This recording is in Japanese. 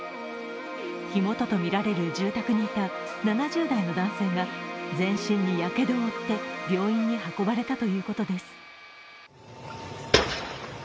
火元とみられる住宅にいた７０代の男性が全身にやけどを負って病院に運ばれたということです。